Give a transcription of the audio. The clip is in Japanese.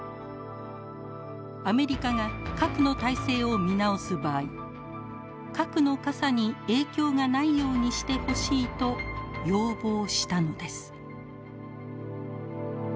アメリカが核の態勢を見直す場合核の傘に影響がないようにしてほしいと要望したのです。